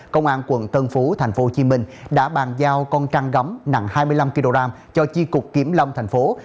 công an quận tân phú tp hcm đã bàn giao con trăn gấm nặng hai mươi năm kg cho chi cục kiểm lâm tp hcm